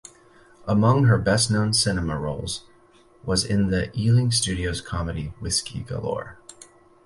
Among her best-known cinema roles was in the Ealing Studios comedy Whisky Galore!